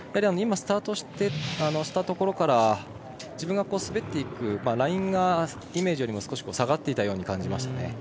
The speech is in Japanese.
今、スタートしたところから自分が滑っていくラインがイメージよりも少し下がっていたように感じましたね。